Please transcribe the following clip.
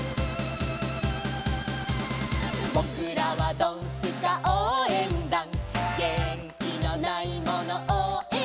「ぼくらはドンスカおうえんだん」「げんきのないものおうえんだ」